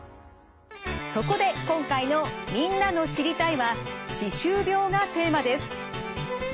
そこで今回のみんなの「知りたい！」は「歯周病」がテーマです。